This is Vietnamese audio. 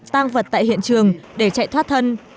tăng vật tại hiện trường để chạy thoát thân